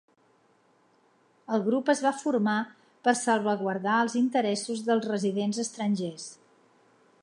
El grup es va formar per salvaguardar els interessos dels residents estrangers.